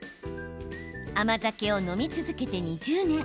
甘酒を飲み続けて２０年。